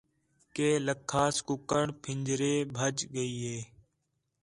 کہ لَکھاس کُکڑ پھنجرے ٻُجھ ڳئی ہِے